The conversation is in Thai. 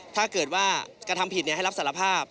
ถ้าเกิดว่ากระทำผิดให้รับสารภาพ